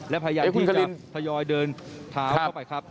และพยายามที่จะทยอยเดินเท้าเข้าไปครับ